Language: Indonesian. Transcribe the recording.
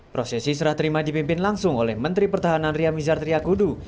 prosesi serah terima dipimpin langsung oleh menteri pertahanan ria mizar triakudu